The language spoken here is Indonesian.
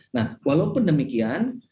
nah walaupun demikian